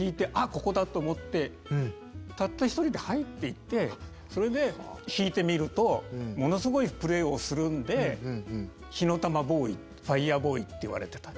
ここだ！と思ってたった一人で入っていってそれで弾いてみるとものすごいプレーをするんで火の玉ボーイファイアボーイって言われてた。